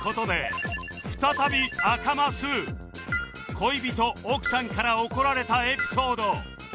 「恋人・奥さんから怒られたエピソード」